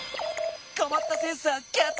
こまったセンサーキャッチ！